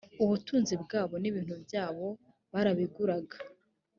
ubutunzi bwabo n ibintu byabo barabiguraga